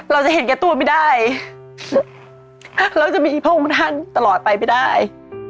เราจะเห็นแก่ตัวไม่ได้แล้วจะมีพระองค์ท่านตลอดไปไม่ได้